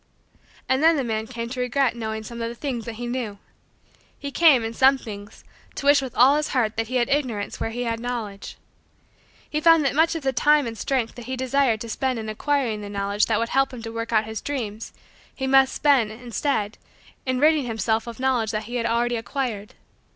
And then the man came to regret knowing some of the things that he knew. He came, in some things, to wish with all his heart that he had Ignorance where he had Knowledge. He found that much of the time and strength that he desired to spend in acquiring the knowledge that would help him to work out his dreams, he must spend, instead, in ridding himself of knowledge that he had already acquired.